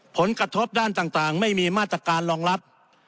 ผลกระทบด้านต่างไม่มีมาตรการรองรับ